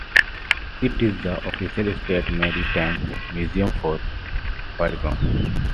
It is the official state maritime museum for Oregon.